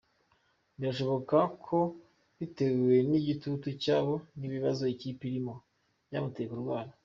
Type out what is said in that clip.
Birashoboka ko bitewe n’igitutu cyawo n’ibibazo ikipe irimo, byamuteye kurwara.